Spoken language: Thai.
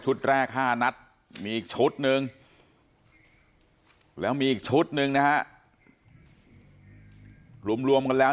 แรก๕นัดมีอีกชุดหนึ่งแล้วมีอีกชุดหนึ่งนะฮะรวมกันแล้ว